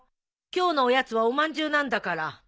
今日のおやつはおまんじゅうなんだから。